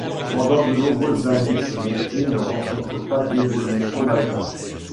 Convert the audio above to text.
Pendant de nombreuses années, ce métier ne rencontre pas d'évolutions majeures.